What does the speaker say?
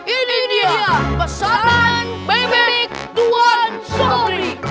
ini dia pesanan bebek tuan sobri